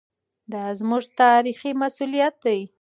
دا زموږ تاریخي مسوولیت دی.